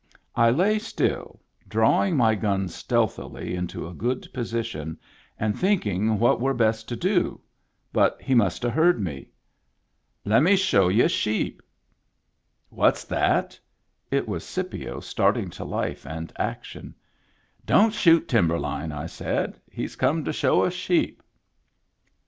I lay still, drawing my gun stealthily into a good position and think ing what were best to do ; but he must have heard me. " Lemme me show you sheep." Digitized by Google 138 MEMBERS OF THE FAMILY "What's that?" It was Scipio starting to life and action. "Don't shoot Timberline," I said. "He's come to show us sheep."